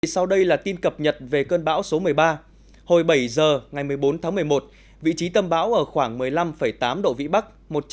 sau đây là tin cập nhật về cơn bão số một mươi ba hồi bảy giờ ngày một mươi bốn tháng một mươi một vị trí tâm bão ở khoảng một mươi năm tám độ vĩ bắc